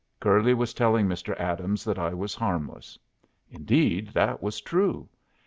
Curly was telling Mr. Adams that I was harmless. Indeed, that was true!